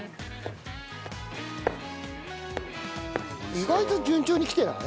意外と順調にきてない？